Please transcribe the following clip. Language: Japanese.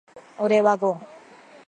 俺はゴン。